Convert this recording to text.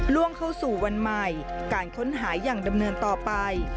ล่วงเข้าสู่วันใหม่การค้นหาอย่างดำเนินต่อไป